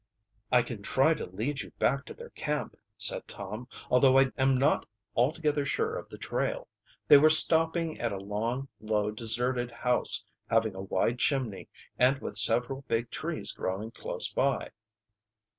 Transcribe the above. "I can try to lead you back to their camp," said Tom, "although I am not altogether sure of the trail. They were stopping at a long, low deserted house, having a wide chimney, and with several big trees growing close by."